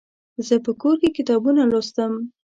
زه په کور کې کتابونه لوستم.